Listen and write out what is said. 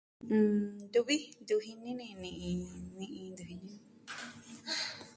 Ntuvi, ntu jini ni ni'in, ni'in ntu jini ni.